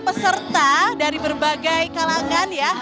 peserta dari berbagai kalangan ya